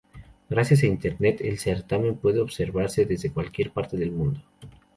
Gracias a internet, el certamen puede observarse desde cualquier parte del mundo.